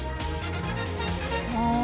ああ。